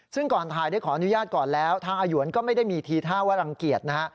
ซึ่งก่อนถ่ายได้ขออนุญาตก่อนแล้วทางอาหยวนก็ไม่ได้มีทีท่าว่ารังเกียจนะฮะ